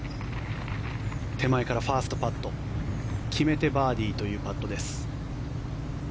手前からファーストパット決めてバーディーというパットです。